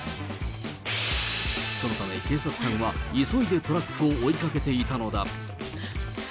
そのため警察官は急いでトラックを追いかけていたのだ。